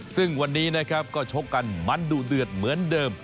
ซึ่งวันนี้ก็ชกกันมานดูเดือดเหมือนเดิม